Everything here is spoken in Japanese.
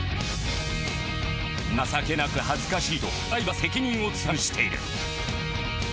情けなく恥ずかしいとドライバーは責任を痛感している。